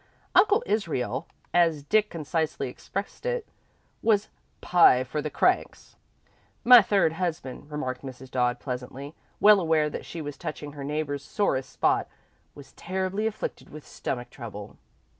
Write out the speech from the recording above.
Uncle Israel, as Dick concisely expressed it, was "pie for the cranks." "My third husband," remarked Mrs. Dodd, pleasantly, well aware that she was touching her neighbour's sorest spot, "was terribly afflicted with stomach trouble."